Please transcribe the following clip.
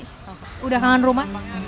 sudah kangen rumah